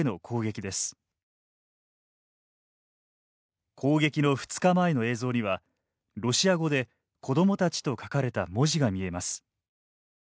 攻撃の２日前の映像にはロシア語で「子どもたち」と書かれた文字が見えます。